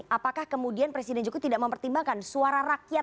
apakah kemudian presiden jokowi tidak mau pertimbangkan suara rakyat